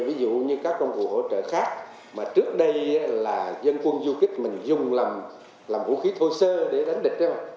ví dụ như các công cụ hỗ trợ khác mà trước đây là dân quân du kích mình dùng làm vũ khí thô sơ để đánh địch